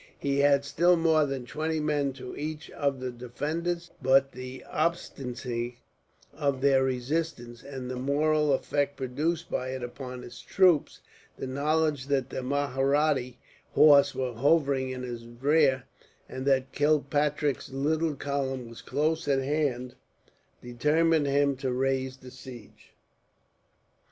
He had still more than twenty men to each of the defenders; but the obstinacy of their resistance, and the moral effect produced by it upon his troops; the knowledge that the Mahratta horse were hovering in his rear, and that Kilpatrick's little column was close at hand; determined him to raise the siege.